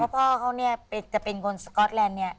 พ่อเขาเนี่ยจะเป็นคนสก๊อตแลนด์เนี่ย